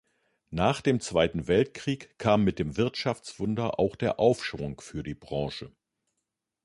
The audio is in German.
Nach dem Zweiten Weltkrieg kam mit dem Wirtschaftswunder auch der Aufschwung für die Branche.